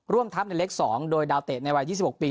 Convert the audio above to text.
ทับในเล็ก๒โดยดาวเตะในวัย๒๖ปี